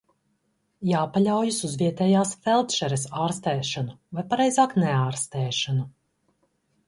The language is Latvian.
Jāpaļaujas uz vietējās feldšeres ārstēšanu vai pareizāk neārstēšanu.